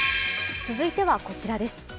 続いてはこちらです。